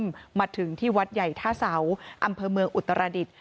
ผู้กำกับเบิ้มมาถึงที่วัดใหญ่ท่าเสาอำเภอเมืองอุตราดิษฐ์